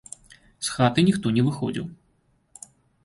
З хаты ніхто не выходзіў.